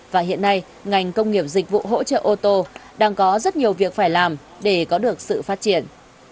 và hiện nay ngành công nghiệp dịch vụ hỗ trợ ô tô đang có rất nhiều việc phải làm để có được sự phát triển